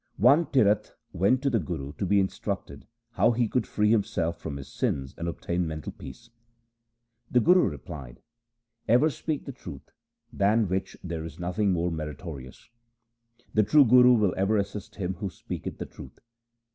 3 One Tiratha went to the Guru to be instructed how he could free himself from his sins and obtain mental peace. The Guru replied :' Ever speak the truth, than which there is nothing more meritorious. The true Guru will ever assist him who speaketh the truth.